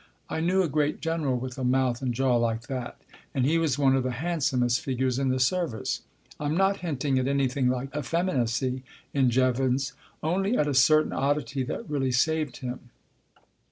I knew a great General with a mouth and jaw like that, and he was one of the handsomest figures in the Service. I'm not hinting at anything like effeminacy in Jevons, only at a certain oddity that really saved him.